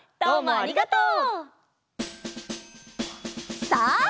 ありがとう！